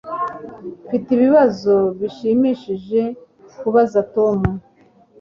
Mfite ibibazo bishimishije kubaza Tom